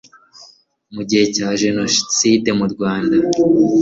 mu gihe cya jenoside yo mu Rwanda,